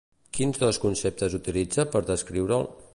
Quins dos conceptes utilitza per descriure'l?